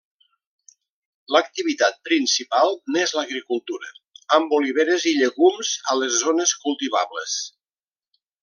L'activitat principal n'és l'agricultura, amb oliveres i llegums a les zones cultivables.